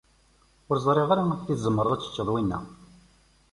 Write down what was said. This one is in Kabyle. Ur ẓriɣ ara amek i tzemreḍ ad teččeḍ winna.